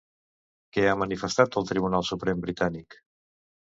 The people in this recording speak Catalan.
Què ha manifestat el Tribunal Suprem britànic?